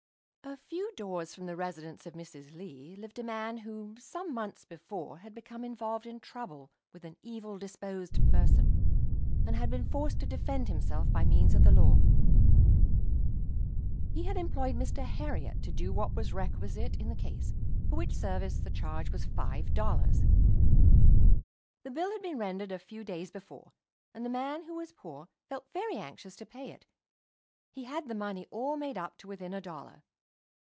A few doors from the residence of Mrs. Lee lived a man who, some months before, had become involved in trouble with an evil disposed person, and been forced to defend himself by means of the law. He had employed Mr. Herriot to do what was requisite in the case, for which service the charge was five dollars. The bill had been rendered a few days before, and the man, who was poor, felt very anxious to pay it. He had the money all made up to within a dollar.